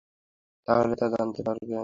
তাহলে সে জানতে পারবে আমি তাকে এভয়েড করছি।